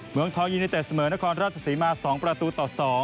เมืองทองยูเนเต็ดเสมอนครราชศรีมา๒ประตูต่อ๒